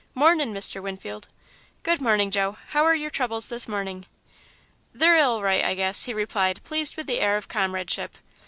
"Mornin', Mr. Winfield." "Good morning, Joe; how are your troubles this morning?" "They're ill right, I guess," he replied, pleased with the air of comradeship.